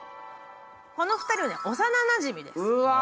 この２人は幼なじみです。